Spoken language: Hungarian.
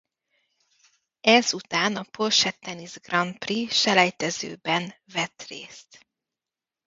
Ez után a Porsche Tennis Grand Prix selejtezőben vett részt.